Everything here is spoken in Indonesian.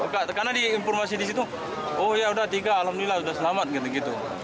karena di informasi di situ oh yaudah tiga alhamdulillah udah selamat gitu gitu